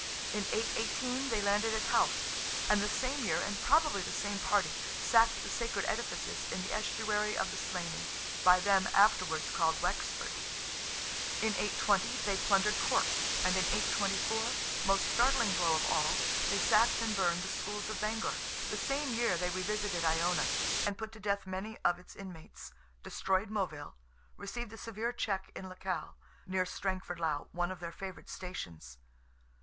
In 818 they landed at Howth; and the same year, and probably the same party, sacked the sacred edifices in the estuary of the Slaney, by them afterwards called Wexford; in 820 they plundered Cork, and in 824—most startling blow of all—they sacked and burned the schools of Bangor. The same year they revisited Iona; and put to death many of its inmates; destroyed Moville; received a severe check in Lecale, near Strangford lough (one of their favourite stations).